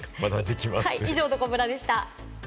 以上、どこブラでした。